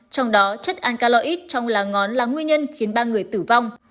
trong đó chất ankaloid trong lá ngón là nguyên nhân khiến ba người tử vong